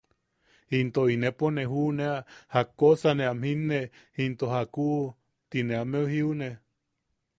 “¡into inepo ne juʼunea jakkosa ne am jinne into jakuʼu!” tine ameu jiune.